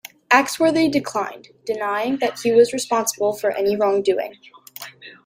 Axworthy declined, denying that he was responsible for any wrongdoing.